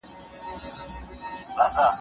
او له شکرې یوه ډکه شکرۍ